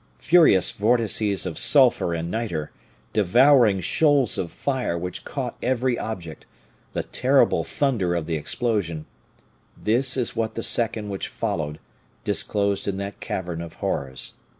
Furious vortices of sulphur and nitre, devouring shoals of fire which caught every object, the terrible thunder of the explosion, this is what the second which followed disclosed in that cavern of horrors.